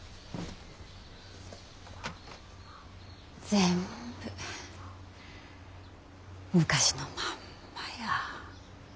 全部昔のまんまや。